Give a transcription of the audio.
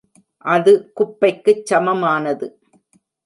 அது குப்பைக்குச் சமமானது.